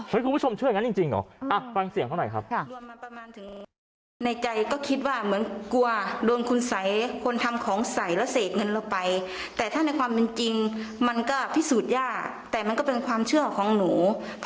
เฮ้ยคุณผู้ชมเชื่ออย่างนั้นจริงหรอ